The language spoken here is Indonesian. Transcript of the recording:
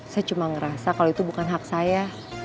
saya cuma ngerasa kalau itu bukan hak saya